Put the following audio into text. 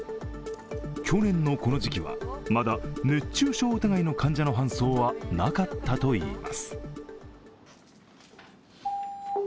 去年のこの時期は、まだ熱中症疑いの患者の搬送はなかったといいます。